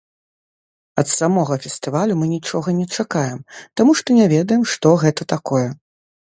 Ад самога фестывалю мы нічога не чакаем, таму што не ведаем, што гэта такое.